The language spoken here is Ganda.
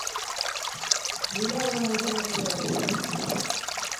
Mbuliraayo omuntu omukulu akumanyi.